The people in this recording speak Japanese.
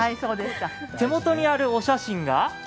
手元のあるお写真が？